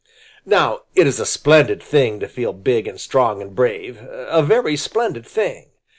Now it is a splendid thing to feel big and strong and brave, a very splendid thing!